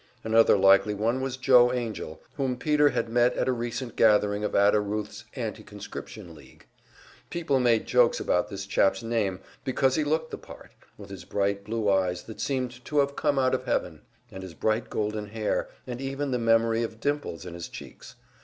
Another likely one was Joe Angell, whom Peter had met at a recent gathering of Ada Ruth's "Anti conscription League." People made jokes about this chap's name because he looked the part, with his bright blue eyes that seemed to have come out of heaven, and his bright golden hair, and even the memory of dimples in his cheeks.